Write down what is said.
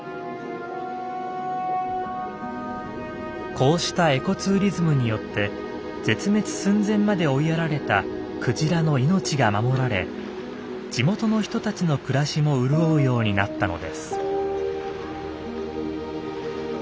こうしたエコツーリズムによって絶滅寸前まで追いやられたクジラの命が守られ地元の人たちの暮らしも潤うようになったのです。